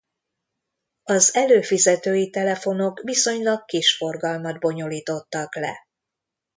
Az előfizetői telefonok viszonylag kis forgalmat bonyolítottak le.